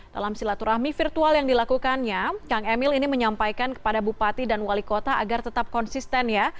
dalam silaturahmi virtual yang dilakukannya kang emil ini menyampaikan kepada bupati dan wali kota agar tetap konsisten ya